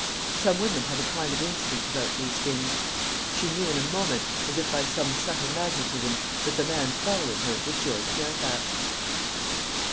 Some women have a kind of instinct about these things. She knew in a moment, as if by some subtle magnetism, that the man following her was George Fairfax.